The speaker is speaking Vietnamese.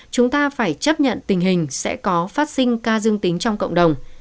chúng ta phải chấp nhận tình hình sẽ có phát sinh ca dương tính trong cộng đồng